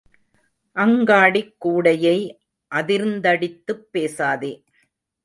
அங்காடிக் கூடையை அதிர்ந்தடித்துப் பேசாதே.